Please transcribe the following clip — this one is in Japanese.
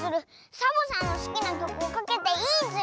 サボさんのすきなきょくをかけていいズル！